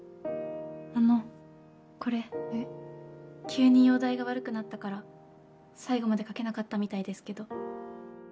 急に容体が悪くなったから最後まで書けなかったみたいですけど。